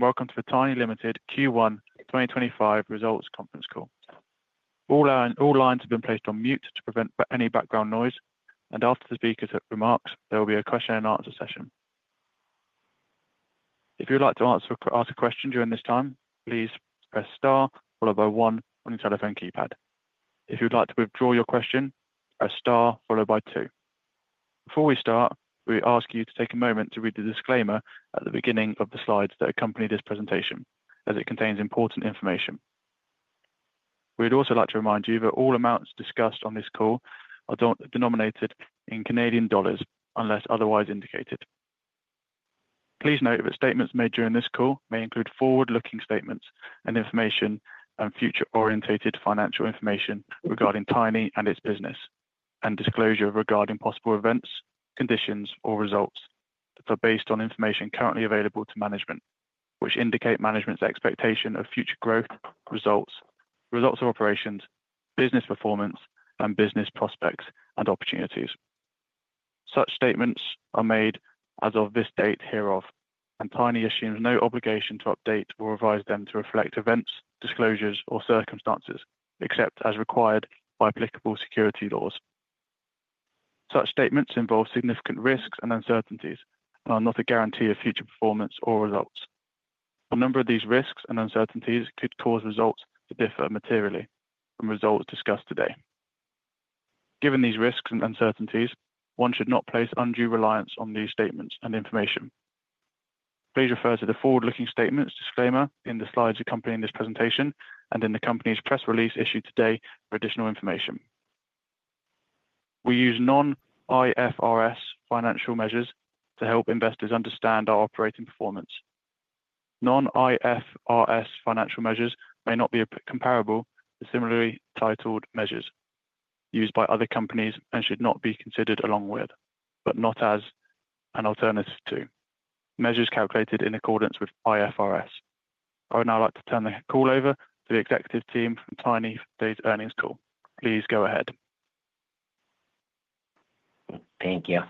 Morning, and welcome to the Tiny Ltd Q1 2025 Results Conference Call. All lines have been placed on mute to prevent any background noise, and after the speaker's remarks, there will be a question-and-answer session. If you'd like to ask a question during this time, please press star followed by one on your telephone keypad. If you'd like to withdraw your question, press star followed by two. Before we start, we ask you to take a moment to read the disclaimer at the beginning of the slides that accompany this presentation, as it contains important information. We'd also like to remind you that all amounts discussed on this call are denominated in CAD unless otherwise indicated. Please note that statements made during this call may include forward-looking statements and information and future-orientated financial information regarding Tiny and its business, and disclosure regarding possible events, conditions, or results that are based on information currently available to management, which indicate management's expectation of future growth, results, results of operations, business performance, and business prospects and opportunities. Such statements are made as of this date hereof, and Tiny assumes no obligation to update or revise them to reflect events, disclosures, or circumstances, except as required by applicable security laws. Such statements involve significant risks and uncertainties and are not a guarantee of future performance or results. A number of these risks and uncertainties could cause results to differ materially from results discussed today. Given these risks and uncertainties, one should not place undue reliance on these statements and information. Please refer to the forward-looking statements disclaimer in the slides accompanying this presentation and in the company's press release issued today for additional information. We use non-IFRS financial measures to help investors understand our operating performance. Non-IFRS financial measures may not be comparable to similarly titled measures used by other companies and should not be considered along with, but not as an alternative to measures calculated in accordance with IFRS. I would now like to turn the call over to the executive team from Tiny for today's earnings call. Please go ahead. Thank you.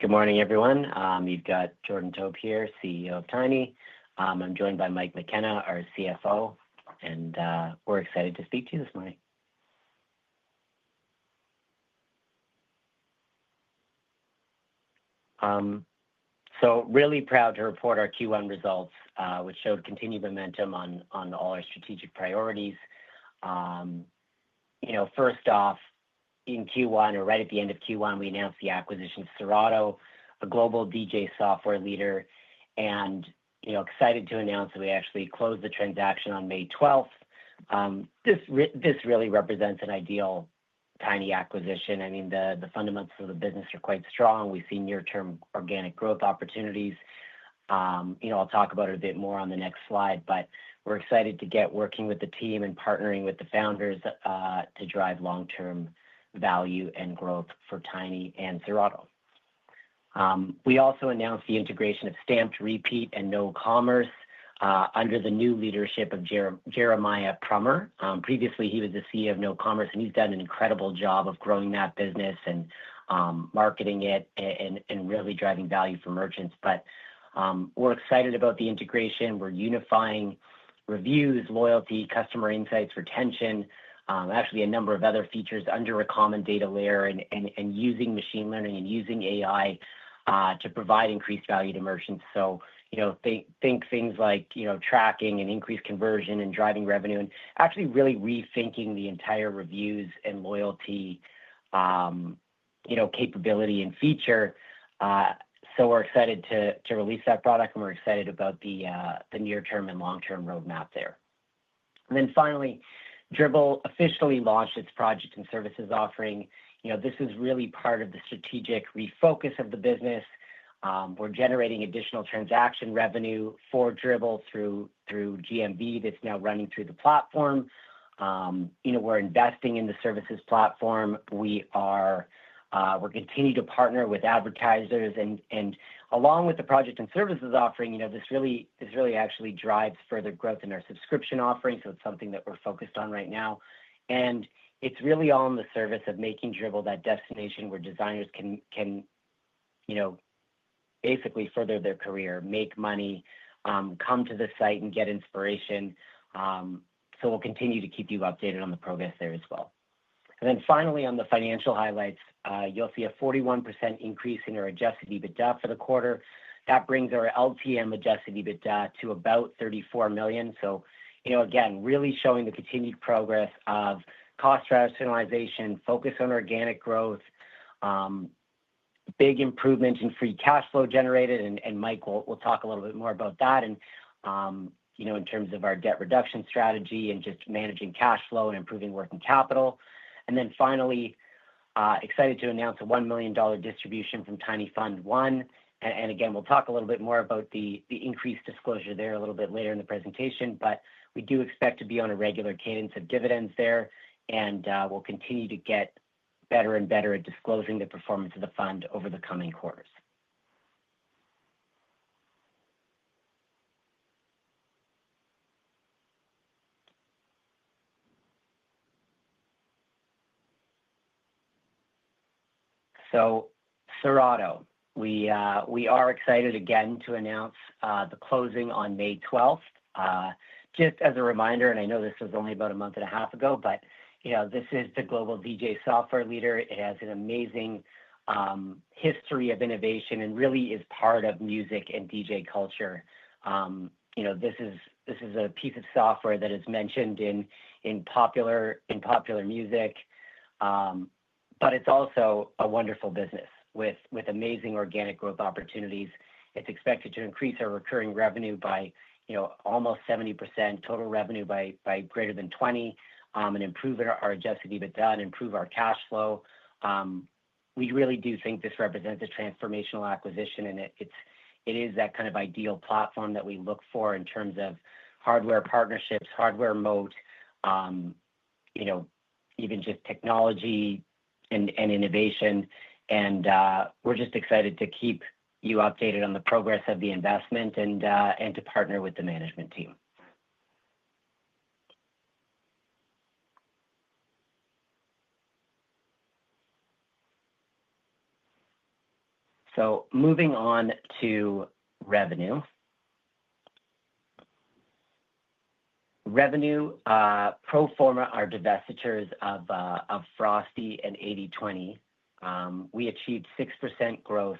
Good morning, everyone. You've got Jordan Taub here, CEO of Tiny. I'm joined by Mike McKenna, our CFO, and we're excited to speak to you this morning. Really proud to report our Q1 results, which showed continued momentum on all our strategic priorities. First off, in Q1, or right at the end of Q1, we announced the acquisition of Serato, a global DJ software leader, and excited to announce that we actually closed the transaction on May 12th. This really represents an ideal Tiny acquisition. I mean, the fundamentals of the business are quite strong. We see near-term organic growth opportunities. I'll talk about it a bit more on the next slide, but we're excited to get working with the team and partnering with the founders to drive long-term value and growth for Tiny and Serato. We also announced the integration of Stamped Repeat and KnoCommerce under the new leadership of Jeremiah Prummer. Previously, he was the CEO of KnoCommerce, and he's done an incredible job of growing that business and marketing it and really driving value for merchants. We are excited about the integration. We are unifying reviews, loyalty, customer insights, retention, actually a number of other features under a common data layer and using machine learning and using AI to provide increased value to merchants. Think things like tracking and increased conversion and driving revenue and actually really rethinking the entire reviews and loyalty capability and feature. We are excited to release that product, and we are excited about the near-term and long-term roadmap there. Finally, Dribbble officially launched its project and services offering. This is really part of the strategic refocus of the business. We're generating additional transaction revenue for Dribbble through GMV that's now running through the platform. We're investing in the services platform. We continue to partner with advertisers. Along with the project and services offering, this really actually drives further growth in our subscription offering. It is something that we're focused on right now. It is really all in the service of making Dribbble that destination where designers can basically further their career, make money, come to the site, and get inspiration. We will continue to keep you updated on the progress there as well. Finally, on the financial highlights, you'll see a 41% increase in our adjusted EBITDA for the quarter. That brings our LTM adjusted EBITDA to about 34 million. Again, really showing the continued progress of cost rationalization, focus on organic growth, big improvement in free cash flow generated. Mike will talk a little bit more about that in terms of our debt reduction strategy and just managing cash flow and improving working capital. Finally, excited to announce a 1 million dollar distribution from Tiny Fund I. Again, we'll talk a little bit more about the increased disclosure there a little bit later in the presentation, but we do expect to be on a regular cadence of dividends there, and we'll continue to get better and better at disclosing the performance of the fund over the coming quarters. Serato, we are excited again to announce the closing on May 12. Just as a reminder, and I know this was only about a month and a half ago, but this is the global DJ software leader. It has an amazing history of innovation and really is part of music and DJ culture. This is a piece of software that is mentioned in popular music, but it's also a wonderful business with amazing organic growth opportunities. It's expected to increase our recurring revenue by almost 70%, total revenue by greater than 20%, and improve our adjusted EBITDA and improve our cash flow. We really do think this represents a transformational acquisition, and it is that kind of ideal platform that we look for in terms of hardware partnerships, hardware moat, even just technology and innovation. We are just excited to keep you updated on the progress of the investment and to partner with the management team. Moving on to revenue. Revenue, pro forma our divestitures of Frosty and 80/20. We achieved 6% growth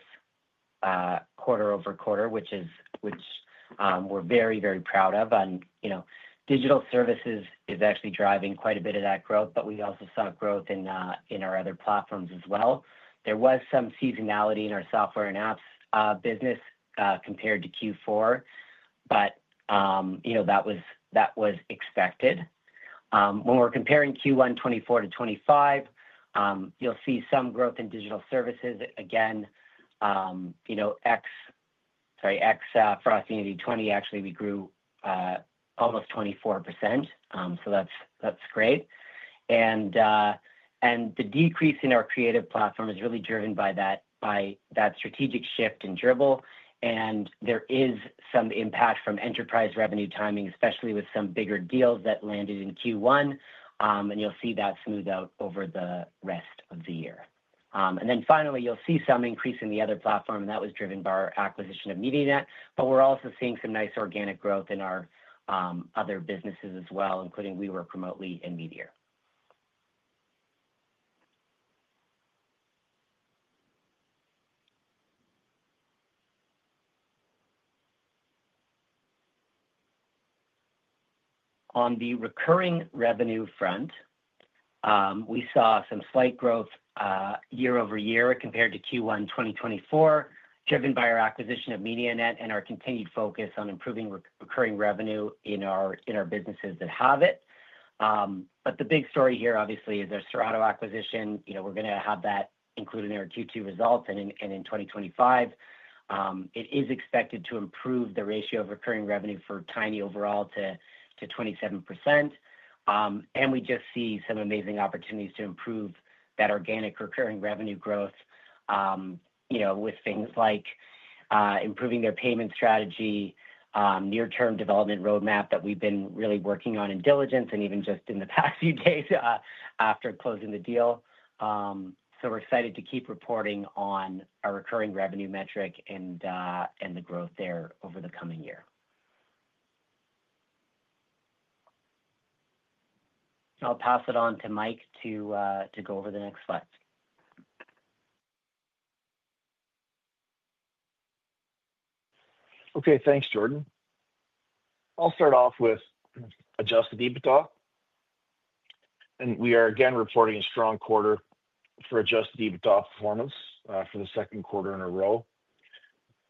quarter-over-quarter, which we're very, very proud of. Digital services is actually driving quite a bit of that growth, but we also saw growth in our other platforms as well. There was some seasonality in our software and apps business compared to Q4, but that was expected. When we're comparing Q1 2024 to 2025, you'll see some growth in digital services. Again, sorry, Frosty and 80/20, actually, we grew almost 24%. That is great. The decrease in our creative platform is really driven by that strategic shift in Dribbble. There is some impact from enterprise revenue timing, especially with some bigger deals that landed in Q1, and you'll see that smooth out over the rest of the year. Finally, you'll see some increase in the other platform, and that was driven by our acquisition of MediaNet. We're also seeing some nice organic growth in our other businesses as well, including We Work Remotely and Meteor. On the recurring revenue front, we saw some slight growth year-over-year compared to Q1 2024, driven by our acquisition of MediaNet and our continued focus on improving recurring revenue in our businesses that have it. The big story here, obviously, is our Serato acquisition. We're going to have that included in our Q2 results. In 2025, it is expected to improve the ratio of recurring revenue for Tiny overall to 27%. We just see some amazing opportunities to improve that organic recurring revenue growth with things like improving their payment strategy, near-term development roadmap that we've been really working on in diligence, and even just in the past few days after closing the deal. We're excited to keep reporting on our recurring revenue metric and the growth there over the coming year. I'll pass it on to Mike to go over the next slide. Okay. Thanks, Jordan. I'll start off with adjusted EBITDA. We are again reporting a strong quarter for adjusted EBITDA performance for the second quarter in a row.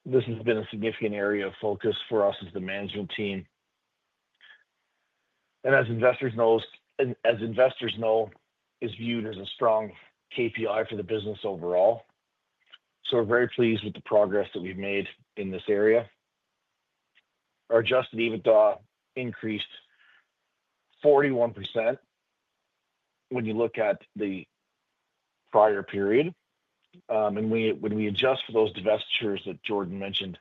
This has been a significant area of focus for us as the management team. As investors know, it's viewed as a strong KPI for the business overall. We are very pleased with the progress that we've made in this area. Our adjusted EBITDA increased 41% when you look at the prior period. When we adjust for those divestitures that Jordan mentioned,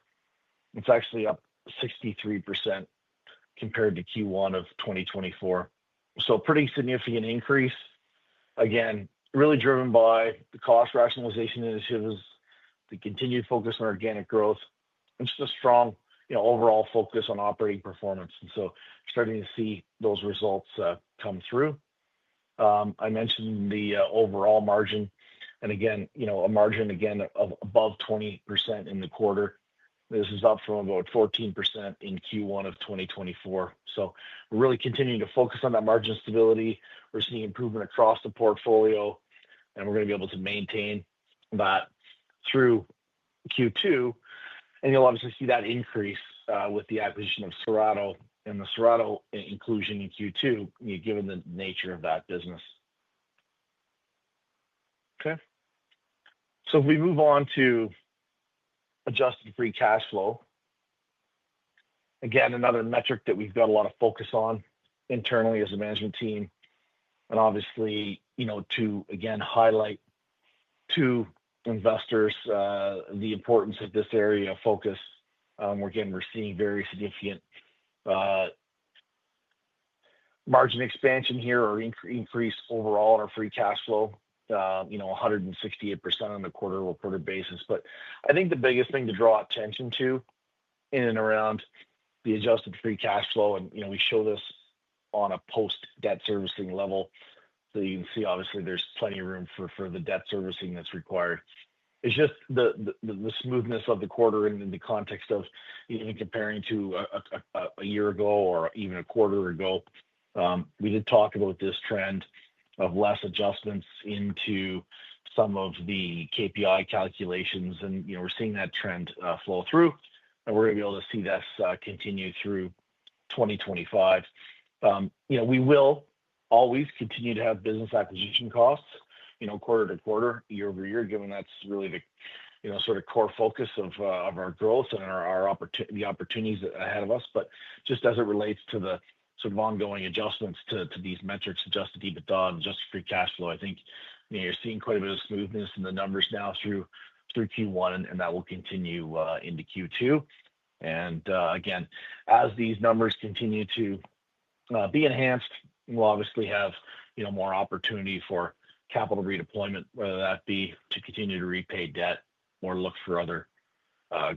it's actually up 63% compared to Q1 of 2024. A pretty significant increase, again, really driven by the cost rationalization initiatives, the continued focus on organic growth, and just a strong overall focus on operating performance. starting to see those results come through. I mentioned the overall margin. A margin again of above 20% in the quarter. This is up from about 14% in Q1 of 2024. We are really continuing to focus on that margin stability. We are seeing improvement across the portfolio, and we are going to be able to maintain that through Q2. You will obviously see that increase with the acquisition of Serato and the Serato inclusion in Q2, given the nature of that business. If we move on to adjusted free cash flow, again, another metric that we have got a lot of focus on internally as a management team. Obviously, to again highlight to investors the importance of this area of focus, we are seeing very significant margin expansion here or increase overall in our free cash flow, 168% on a quarter-over-quarter basis. I think the biggest thing to draw attention to in and around the adjusted free cash flow, and we show this on a post-debt servicing level. You can see, obviously, there's plenty of room for the debt servicing that's required. It's just the smoothness of the quarter and in the context of even comparing to a year ago or even a quarter ago. We did talk about this trend of less adjustments into some of the KPI calculations, and we're seeing that trend flow through. We're going to be able to see this continue through 2025. We will always continue to have business acquisition costs quarter to quarter, year-over-year, given that's really the sort of core focus of our growth and the opportunities ahead of us. Just as it relates to the sort of ongoing adjustments to these metrics, adjusted EBITDA, adjusted free cash flow, I think you're seeing quite a bit of smoothness in the numbers now through Q1, and that will continue into Q2. Again, as these numbers continue to be enhanced, we'll obviously have more opportunity for capital redeployment, whether that be to continue to repay debt or look for other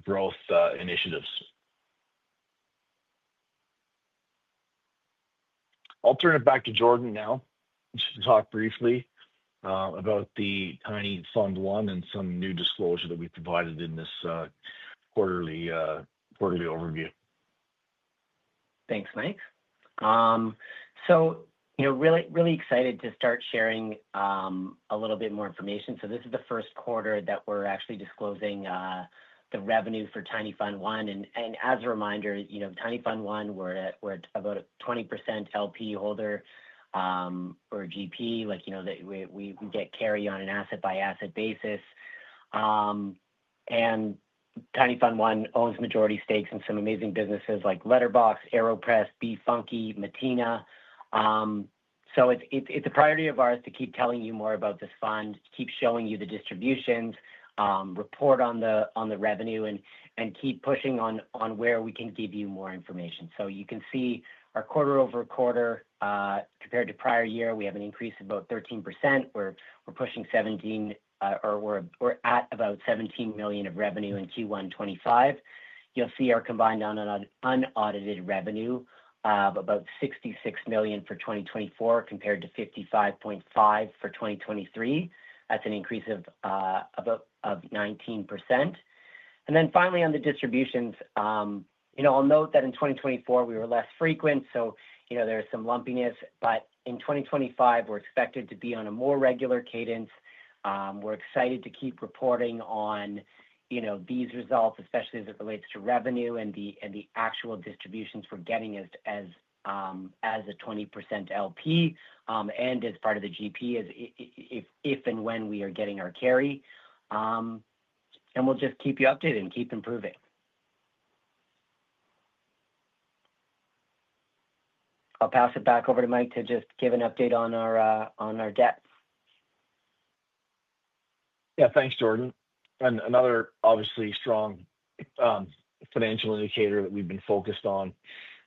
growth initiatives. I'll turn it back to Jordan now just to talk briefly about the Tiny Fund I and some new disclosure that we provided in this quarterly overview. Thanks, Mike. Really excited to start sharing a little bit more information. This is the first quarter that we're actually disclosing the revenue for Tiny Fund I. As a reminder, Tiny Fund I, we're at about a 20% LP holder or GP. We get carry on an asset-by-asset basis. Tiny Fund I owns majority stakes in some amazing businesses like Letterboxd, AeroPress, BeFunky, Mateina. It's a priority of ours to keep telling you more about this fund, keep showing you the distributions, report on the revenue, and keep pushing on where we can give you more information. You can see our quarter-over-quarter compared to prior year, we have an increase of about 13%. We're pushing 17 or we're at about 17 million of revenue in Q1 2025. You'll see our combined unaudited revenue of about 66 million for 2024 compared to 55.5 million for 2023. That's an increase of about 19%. Finally, on the distributions, I'll note that in 2024, we were less frequent. There's some lumpiness. In 2025, we're expected to be on a more regular cadence. We're excited to keep reporting on these results, especially as it relates to revenue and the actual distributions we're getting as a 20% LP and as part of the GP, if and when we are getting our carry. We'll just keep you updated and keep improving. I'll pass it back over to Mike to just give an update on our debt. Yeah. Thanks, Jordan. Another obviously strong financial indicator that we've been focused on,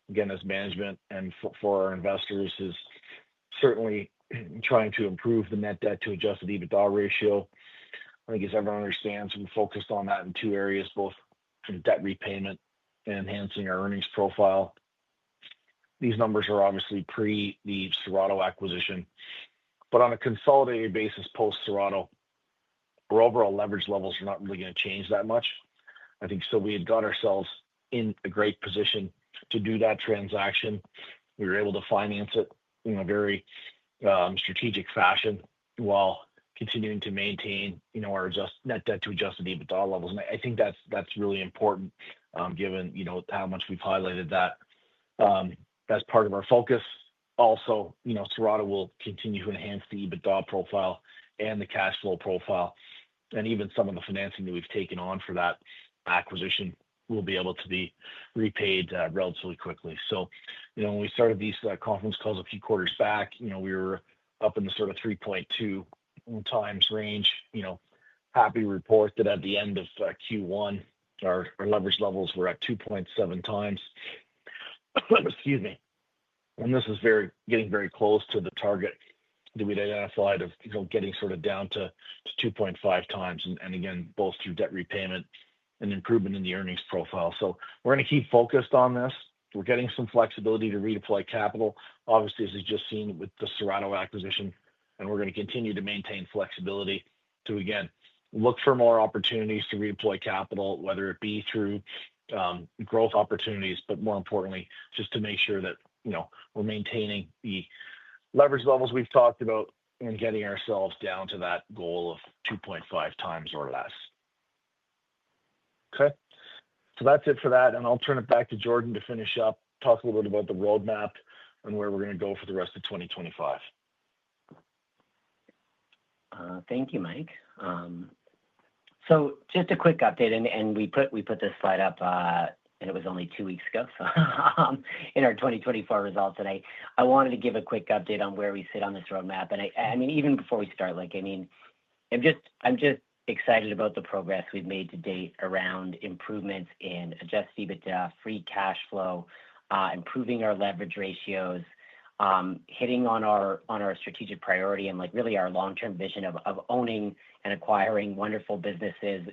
again, as management and for our investors, is certainly trying to improve the net debt to adjusted EBITDA ratio. I think, as everyone understands, we've focused on that in two areas, both debt repayment and enhancing our earnings profile. These numbers are obviously pre the Serato acquisition. On a consolidated basis post-Serato, our overall leverage levels are not really going to change that much. I think we had got ourselves in a great position to do that transaction. We were able to finance it in a very strategic fashion while continuing to maintain our net debt to adjusted EBITDA levels. I think that's really important given how much we've highlighted that as part of our focus. Also, Serato will continue to enhance the EBITDA profile and the cash flow profile. Even some of the financing that we've taken on for that acquisition will be able to be repaid relatively quickly. When we started these conference calls a few quarters back, we were up in the sort of 3.2x range. Happy to report that at the end of Q1, our leverage levels were at 2.7x. Excuse me. This is getting very close to the target that we'd identified of getting sort of down to 2.5x. Again, both through debt repayment and improvement in the earnings profile. We're going to keep focused on this. We're getting some flexibility to redeploy capital, obviously, as we've just seen with the Serato acquisition. We're going to continue to maintain flexibility to, again, look for more opportunities to redeploy capital, whether it be through growth opportunities, but more importantly, just to make sure that we're maintaining the leverage levels we've talked about and getting ourselves down to that goal of 2.5x or less. Okay. That's it for that. I'll turn it back to Jordan to finish up, talk a little bit about the roadmap and where we're going to go for the rest of 2025. Thank you, Mike. Just a quick update. We put this slide up, and it was only two weeks ago, so in our 2024 results today. I wanted to give a quick update on where we sit on this roadmap. I mean, even before we start, I mean, I'm just excited about the progress we've made to date around improvements in adjusted EBITDA, free cash flow, improving our leverage ratios, hitting on our strategic priority and really our long-term vision of owning and acquiring wonderful businesses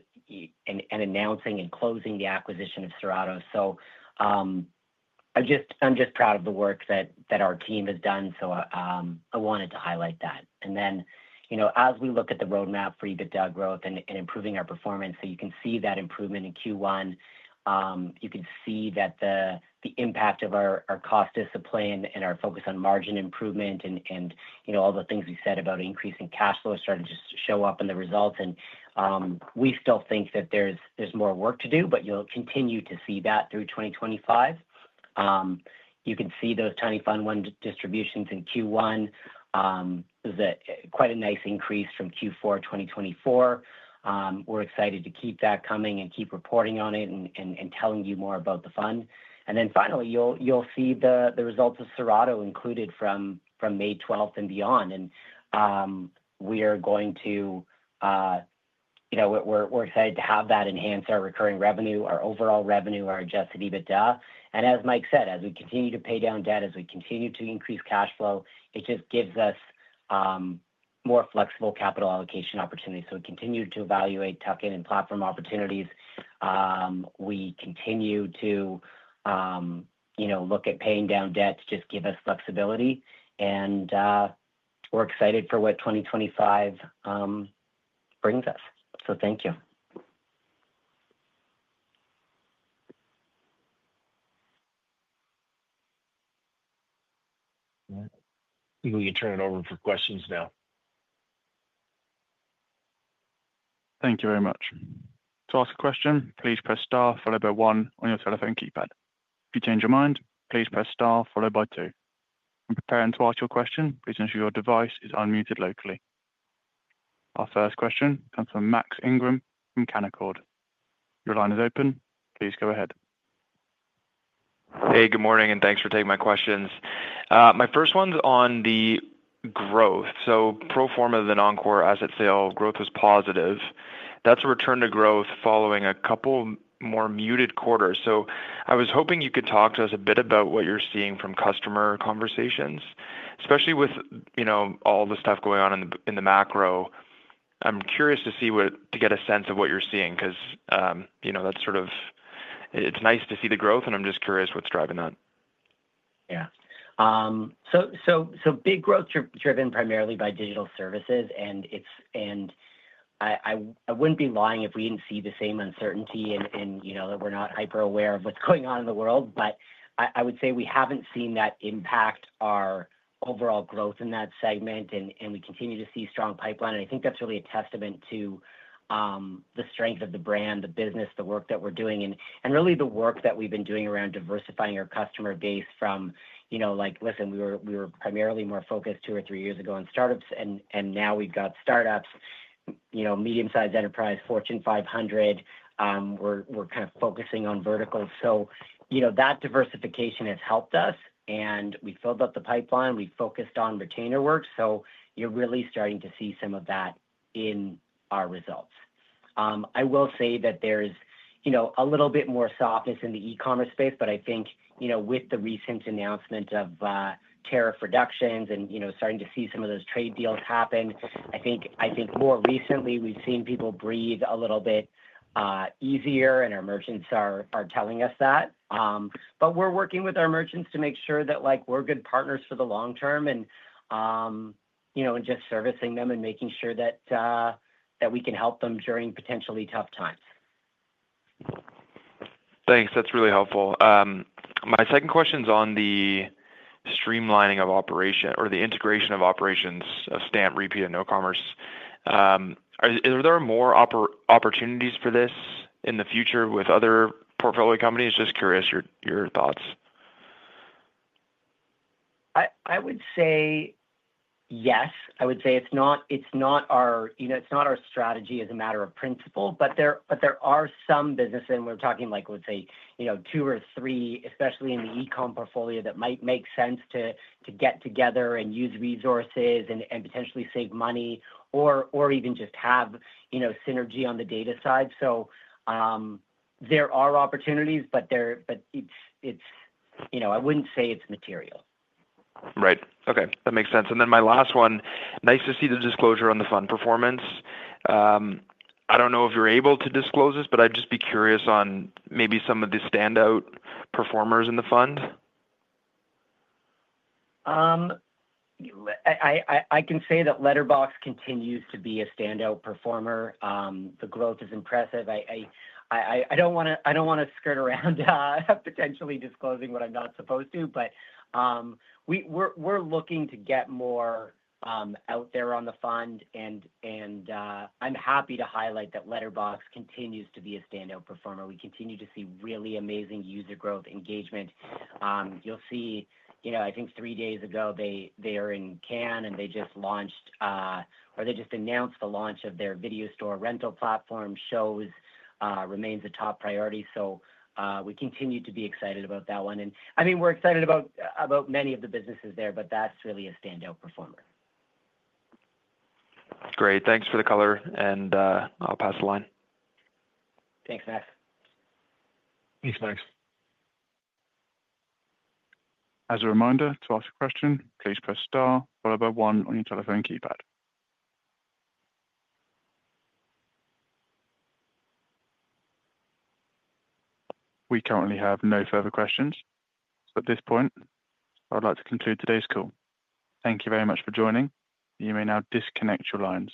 and announcing and closing the acquisition of Serato. I'm just proud of the work that our team has done. I wanted to highlight that. As we look at the roadmap for EBITDA growth and improving our performance, you can see that improvement in Q1. You can see that the impact of our cost discipline and our focus on margin improvement and all the things we said about increasing cash flow started to show up in the results. We still think that there's more work to do, but you'll continue to see that through 2025. You can see those Tiny Fund I distributions in Q1. It was quite a nice increase from Q4 2024. We're excited to keep that coming and keep reporting on it and telling you more about the fund. Finally, you'll see the results of Serato included from May 12th and beyond. We are excited to have that enhance our recurring revenue, our overall revenue, our adjusted EBITDA. As Mike said, as we continue to pay down debt, as we continue to increase cash flow, it just gives us more flexible capital allocation opportunities. We continue to evaluate tuck-in and platform opportunities. We continue to look at paying down debt to just give us flexibility. We are excited for what 2025 brings us. Thank you. I think we can turn it over for questions now. Thank you very much. To ask a question, please press star, followed by one on your telephone keypad. If you change your mind, please press star, followed by two. When preparing to ask your question, please ensure your device is unmuted locally. Our first question comes from Max Ingram from Canaccord. Your line is open. Please go ahead. Hey, good morning, and thanks for taking my questions. My first one's on the growth. Pro forma of the non-core asset sale, growth was positive. That's a return to growth following a couple more muted quarters. I was hoping you could talk to us a bit about what you're seeing from customer conversations, especially with all the stuff going on in the macro. I'm curious to get a sense of what you're seeing because it's nice to see the growth, and I'm just curious what's driving that. Yeah. Big growth driven primarily by digital services. I would not be lying if we did not see the same uncertainty and that we are not hyper-aware of what is going on in the world. I would say we have not seen that impact our overall growth in that segment. We continue to see strong pipeline. I think that is really a testament to the strength of the brand, the business, the work that we are doing, and really the work that we have been doing around diversifying our customer base from, like, listen, we were primarily more focused two or three years ago on startups. Now we have got startups, medium-sized enterprise, Fortune 500. We are kind of focusing on verticals. That diversification has helped us. We filled up the pipeline. We focused on retainer work. You are really starting to see some of that in our results. I will say that there's a little bit more softness in the e-commerce space, but I think with the recent announcement of tariff reductions and starting to see some of those trade deals happen, I think more recently, we've seen people breathe a little bit easier, and our merchants are telling us that. We are working with our merchants to make sure that we're good partners for the long term and just servicing them and making sure that we can help them during potentially tough times. Thanks. That's really helpful. My second question is on the streamlining of operation or the integration of operations of Stamped Repeat and KnoCommerce. Are there more opportunities for this in the future with other portfolio companies? Just curious your thoughts. I would say yes. I would say it's not our strategy as a matter of principle, but there are some businesses we're talking, like, let's say, two or three, especially in the e-com portfolio, that might make sense to get together and use resources and potentially save money or even just have synergy on the data side. There are opportunities, but I wouldn't say it's material. Right. Okay. That makes sense. My last one, nice to see the disclosure on the fund performance. I do not know if you are able to disclose this, but I would just be curious on maybe some of the standout performers in the fund. I can say that Letterboxd continues to be a standout performer. The growth is impressive. I do not want to skirt around potentially disclosing what I am not supposed to, but we are looking to get more out there on the fund. I am happy to highlight that Letterboxd continues to be a standout performer. We continue to see really amazing user growth, engagement. You will see, I think, three days ago, they are in Cannes, and they just launched or they just announced the launch of their video store rental platform. Shows remain the top priority. We continue to be excited about that one. I mean, we are excited about many of the businesses there, but that is really a standout performer. Great. Thanks for the color. I'll pass the line. Thanks, Max. Thanks, Max. As a reminder, to ask a question, please press star, followed by one on your telephone keypad. We currently have no further questions. At this point, I would like to conclude today's call. Thank you very much for joining. You may now disconnect your lines.